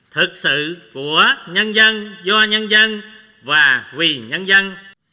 thực sự của nhân dân do nhân dân và vì nhân dân